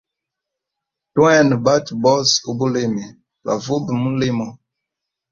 Twene batwe bose ubulimi twavube mulimo.